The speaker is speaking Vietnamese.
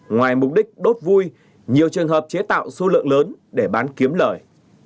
ngoài mục đích đốt vui nhiều trường hợp chế tạo số lượng lớn để bán kiếm lời